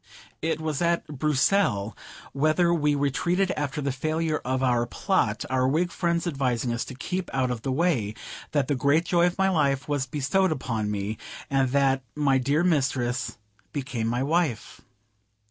It was at Bruxelles, whither we retreated after the failure of our plot our Whig friends advising us to keep out of the way that the great joy of my life was bestowed upon me, and that my dear mistress became my wife.